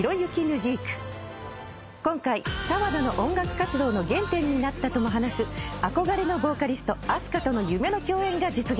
［今回澤野の音楽活動の原点になったとも話す憧れのボーカリストＡＳＫＡとの夢の共演が実現］